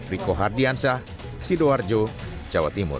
riko hardiansyah sidoarjo jawa timur